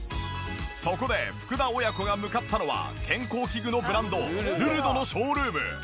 そこで福田親子が向かったのは健康器具のブランドルルドのショールーム。